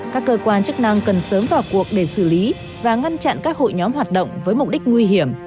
các cơ quan chức năng cần sớm vào cuộc để xử lý và ngăn chặn các hội nhóm hoạt động với mục đích nguy hiểm